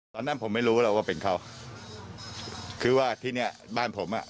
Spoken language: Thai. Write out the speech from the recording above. ตอนนั้นผมไม่รู้หรอกว่าเป็นเขาคือว่าที่เนี้ยบ้านผมอ่ะ